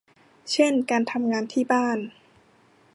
เช่นการทำงานที่บ้าน